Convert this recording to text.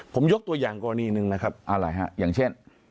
ผมยกตัวอย่างกรณีหนึ่งนะครับอะไรฮะอย่างเช่น